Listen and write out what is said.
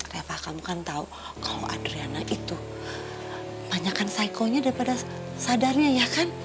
reva kamu kan tahu kalau adriana itu banyakan psikonya daripada sadarnya ya kan